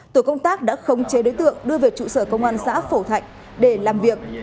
tổ công tác đã khống chế đối tượng đưa về trụ sở công an xã phổ thạnh để làm việc